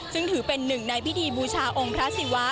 ซึ่งถือเป็นหนึ่งในพิธีบูชาองค์พระศิวะ